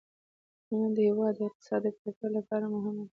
کرنه د هېواد د اقتصاد د پیاوړتیا لپاره مهمه ده.